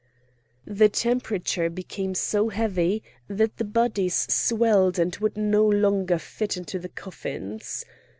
The temperature became so heavy that the bodies swelled and would no longer fit into the coffins.